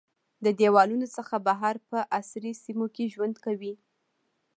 د دیوالونو څخه بهر په عصري سیمو کې ژوند کوي.